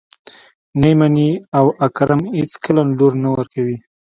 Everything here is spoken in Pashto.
نه يې مني او اکرم اېڅکله لور نه ورکوي.